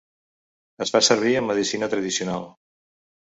Es fa servir en medicina tradicional.